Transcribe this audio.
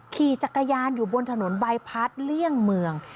ขี่จักรยานอยู่บนถนนใบพัดเลี่ยงเมือง